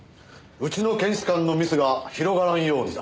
うちの検視官のミスが広がらんようにだ。